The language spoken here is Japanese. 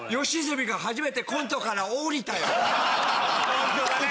ホントだね。